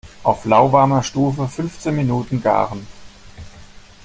Auf lauwarmer Stufe fünfzehn Minuten garen.